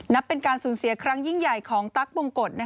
เป็นการสูญเสียครั้งยิ่งใหญ่ของตั๊กบงกฎ